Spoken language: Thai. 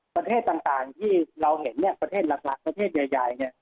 ประเทศต่างที่เราเห็นเนี่ยประเทศหลักประเทศใหญ่เนี่ย